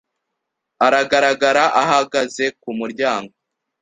Aragaragara ahagaze ku muryango.